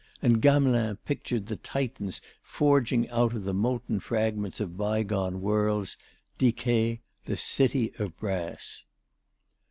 And Gamelin pictured the Titans forging out of the molten fragments of by gone worlds Diké, the city of brass.